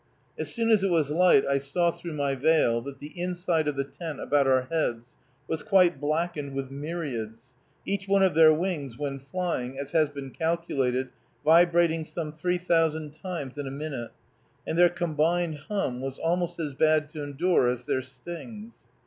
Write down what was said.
As soon as it was light I saw, through my veil, that the inside of the tent about our heads was quite blackened with myriads, each one of their wings when flying, as has been calculated, vibrating some three thousand times in a minute, and their combined hum was almost as bad to endure as their stings.